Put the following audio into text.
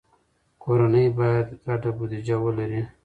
کورنۍ باید ګډه بودیجه ولري.